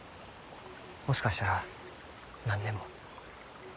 もしかしたら何年も。